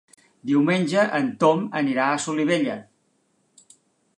Diumenge en Tom anirà a Solivella.